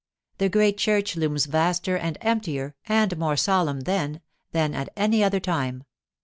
The great church looms vaster and emptier and more solemn then than at any other time.